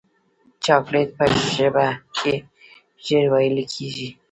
چاکلېټ په ژبه کې ژر ویلې کېږي.